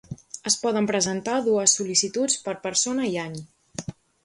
Es poden presentar dues sol·licituds per persona i any.